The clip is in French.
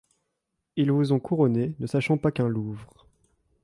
Ils vous ont couronnés, ne sachant pas qu'un Louvre